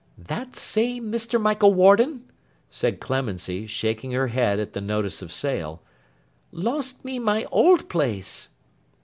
'That same Mr. Michael Warden,' said Clemency, shaking her head at the notice of sale, 'lost me my old place.